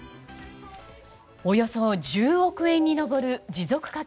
およそ１０億円に上る持続化